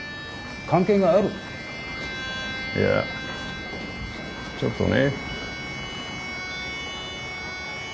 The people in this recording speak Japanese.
いやちょっとね。